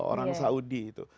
orang saudi itu